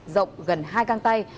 rộng gần hai căng tay